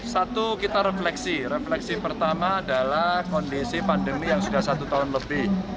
satu kita refleksi refleksi pertama adalah kondisi pandemi yang sudah satu tahun lebih